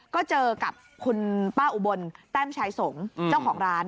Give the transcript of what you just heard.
ก็เจอกับคุณป้าอุบลแต้มชายสงฆ์เจ้าของร้าน